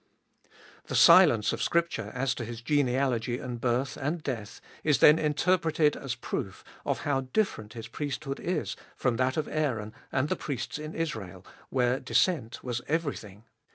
The silence of Scripture as to his genealogy and birth and death is then interpreted as proof of how different his priesthood is from that of Aaron and the priests in Israel, where descent was everything.